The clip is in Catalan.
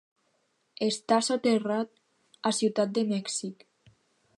Està soterrat a Ciutat de Mèxic.